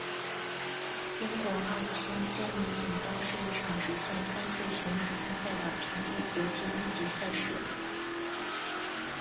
英国二千坚尼锦标是一场只限三岁雄马参赛的平地国际一级赛事。